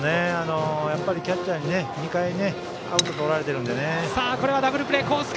キャッチャーに２回アウトとられてるのでね。